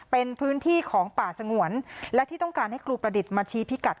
เป็นพื้นที่ของป่าสงวนและที่ต้องการให้ครูประดิษฐ์มาชี้พิกัด